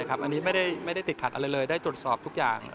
อันนี้ไม่ได้ติดขัดอะไรเลยได้ตรวจสอบทุกอย่าง